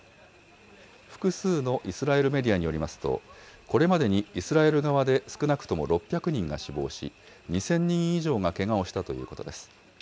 複数のイスラエルメディアによりますと、これまでにイスラエル側で少なくとも６００人が死亡し、２０００人以上がけがをしたということです。